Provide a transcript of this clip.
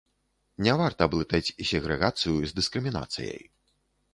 Не варта блытаць сегрэгацыю з дыскрымінацыяй.